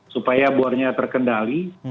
supaya bornya terkendali